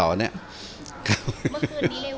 เมื่อคืนนี้เรียกวงกินข้าว